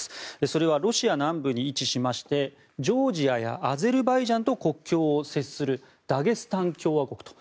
それはロシア南部に位置しましてジョージアやアゼルバイジャンと国境を接するダゲスタン共和国。